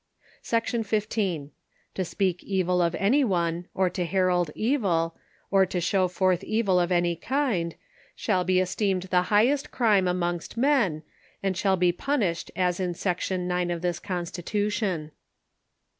Section XV. To speak evil of any one, or to herald evil, or to show forth evil of any kind, shall be esteemed the highest crime amongst men, and shall be punished as in section nine of this constitution.